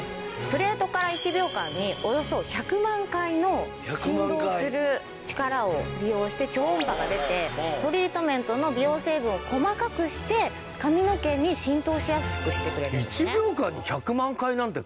プレートから１秒間におよそ１００万回の振動する力を利用して超音波が出てトリートメントの美容成分を細かくして髪の毛に浸透しやすくしてくれるんですね。